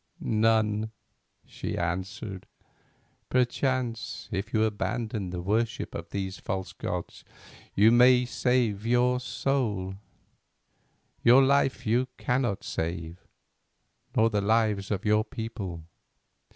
"None," she answered. "Perchance if you abandon the worship of the false gods you may save your soul; your life you cannot save, nor the lives of your people."